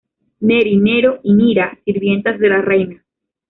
Neri, Nero y Neera: Sirvientas de la reina.